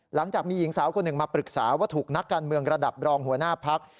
หลังจากมีหญิงสาวคนหนึ่งมาปรึกษาว่าถูกนักการเมืองระดับรองหัวหน้าพัก